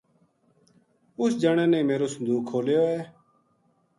اس جنا نے میرو صندوق کھولیو ہے